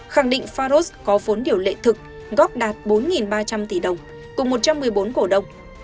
khẳng định faros có vốn điều lệ thực góp đạt bốn ba trăm linh tỷ đồng cùng một trăm một mươi bốn cổ đông